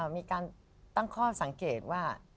มีการตั้งข้อสังเกตว่า